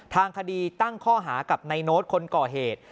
ทางคดีตั้งข้อหากับนายโน้ตคนก่อเหตุ